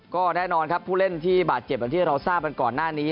ก็แน่นอนครับผู้เล่นที่บาดเจ็บอย่างที่เราทราบกันก่อนหน้านี้